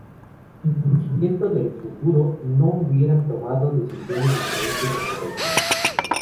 Sin conocimiento del futuro no hubieran tomado decisiones diferentes o correctas.